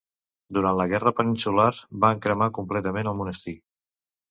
Durant la Guerra Peninsular, van cremar completament el monestir.